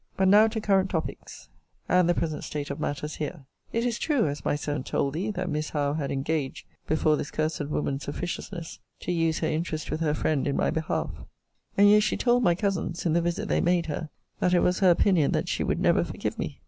But now to current topics, and the present state of matters here. It is true, as my servant told thee, that Miss Howe had engaged, before this cursed woman's officiousness, to use her interest with her friend in my behalf: and yet she told my cousins, in the visit they made her, that it was her opinion that she would never forgive me.